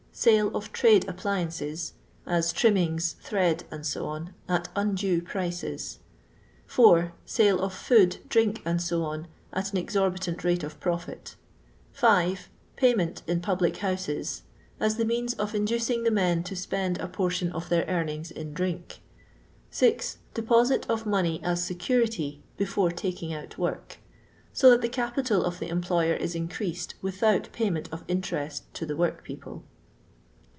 Sale of trade appliances (as trimmings, thread, &c.) at undue prices. 4. Sale of food, drink, &c., at an exorbitant rate of profit 5. Pa3rment in public houses ; as the means of inducing the men to spend a portion of their earnings in drink. 6. Deposit of money as security before taking out work ; so that the capital of the em ployer is increased without payment of interest to the workpeople.